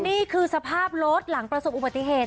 นี่คือสภาพรถหลังประสบอุบัติเหตุ